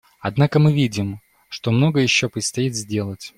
Однако мы видим, что многое еще предстоит сделать.